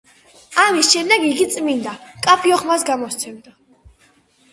ამის შემდეგ იგი წმინდა, მკაფიო ხმას გამოსცემდა.